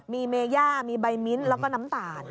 มีเมย่ามีใบมิ้นแล้วก็น้ำตาล